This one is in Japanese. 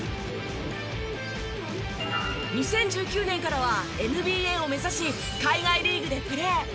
２０１９年からはＮＢＡを目指し海外リーグでプレー。